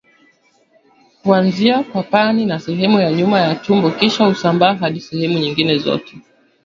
Huanzia kwapani na sehemu ya nyuma ya tumbo kisha husambaa hadi sehemu nyingine zote